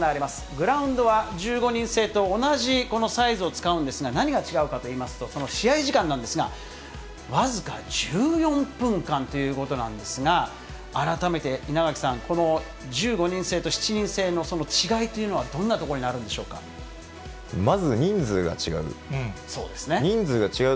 グラウンドは１５人制と同じこのサイズを使うんですが、何が違うかといいますと、その試合時間なんですが、僅か１４分間ということなんですが、改めて稲垣さん、この１５人制と７人制の違いというのは、どんなまず人数が違う。